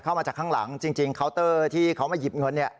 เข้ามาจากข้างหลังจริงคาวเตอร์ที่เขามาหยิบเงิน